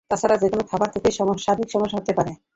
তা ছাড়া যেকোনো খাবার থেকেই শারীরিক সমস্যা হতে পারে।